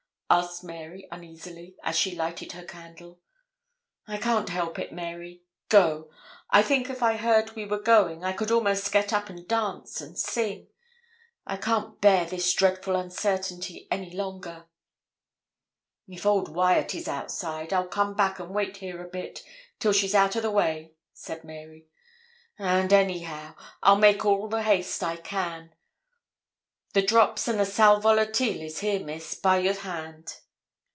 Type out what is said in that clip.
asked Mary, uneasily, as she lighted her candle. 'I can't help it, Mary. Go. I think if I heard we were going, I could almost get up and dance and sing. I can't bear this dreadful uncertainty any longer.' 'If old Wyat is outside, I'll come back and wait here a bit, till she's out o' the way,' said Mary; 'and, anyhow, I'll make all the haste I can. The drops and the sal volatile is here, Miss, by your hand.'